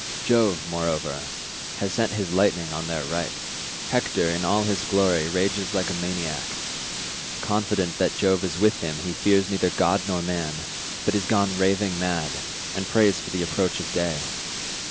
Jove, moreover, has sent his lightnings on their right; Hector, in all his glory, rages like a maniac; confident that Jove is with him he fears neither god nor man, but is gone raving mad, and prays for the approach of day.